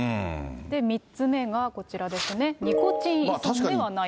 ３つ目がこちらですね、ニコチン依存ではないか。